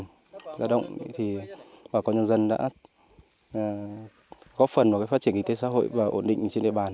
giá động thì bà con nhân dân đã góp phần vào phát triển kinh tế